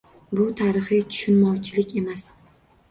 Bu tarixiy tushunmovchilik emas